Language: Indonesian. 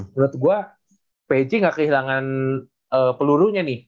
menurut gue peci gak kehilangan pelurunya nih